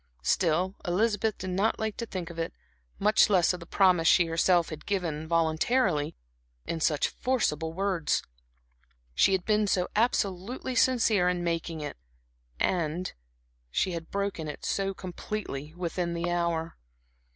Still, Elizabeth did not like to think of it, much less of the promise she herself had given, voluntarily, in such forcible words. She had been so absolutely sincere in making it; she had broken it so completely within the hour.